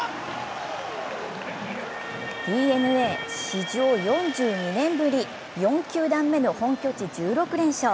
ＤｅＮＡ、史上４２年ぶり４球団目の本拠地１６連勝。